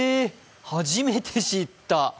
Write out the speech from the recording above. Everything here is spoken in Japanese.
初めて知った。